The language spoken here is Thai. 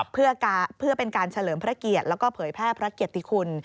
เพื่อเป็นการเฉลิมพระเกียรติแล้วก็เผยแพร่พระเกียรติคุณ